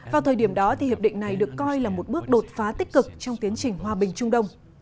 vào thời điểm đó hiệp định này được coi là một bước đột phá tích cực trong tiến trình hòa bình trung đông